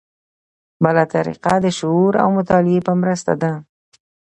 بله طریقه د شعور او مطالعې په مرسته ده.